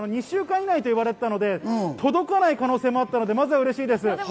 ２週間ぐらいと言われていたので、届かない可能性もあったので、まずはうれしいです。